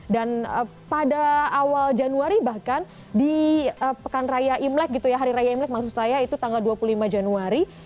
dan pada awal januari bahkan di pekan raya imlek gitu ya hari raya imlek maksud saya itu tanggal dua puluh lima januari